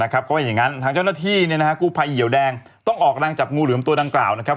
ก็วิ่งงั้นทางเจ้าหน้าที่กู้ไพเหมืองแดงต้องออกรังจากงูหรือตัวดังกล่าวนะครับ